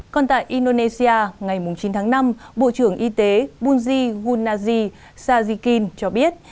còn tại indonesia ngày chín tháng năm bộ trưởng y tế bunji gunaji sajikin cho biết